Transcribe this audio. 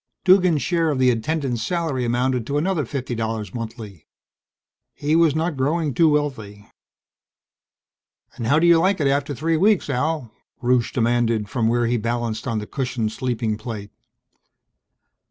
Duggan's share of the attendants' salary amounted to another fifty dollars monthly. He was not growing too wealthy! "And how do you like it after three weeks, Al?" Rusche demanded from where he balanced on the cushioned sleeping plate.